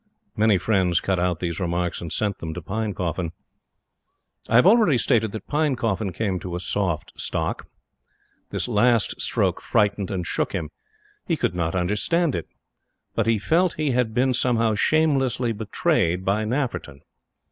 Many friends cut out these remarks and sent them to Pinecoffin. I have already stated that Pinecoffin came of a soft stock. This last stroke frightened and shook him. He could not understand it; but he felt he had been, somehow, shamelessly betrayed by Nafferton.